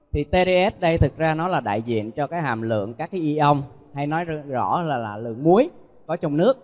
thì tds đây thật ra nó là đại diện cho hàm lượng các ion hay nói rõ là lượng muối có trong nước